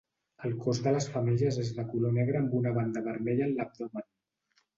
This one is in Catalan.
El cos de les femelles és de color negre amb una banda vermella en l'abdomen.